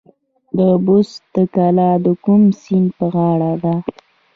بست کلا د کوم سیند په غاړه ده؟